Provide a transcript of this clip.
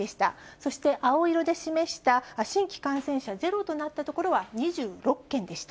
そして青色で示した新規感染者ゼロとなった所は、２６県でした。